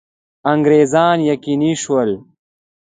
انګرېزان یقیني شول.